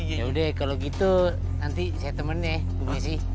yaudah kalau gitu nanti saya temen ya bu messi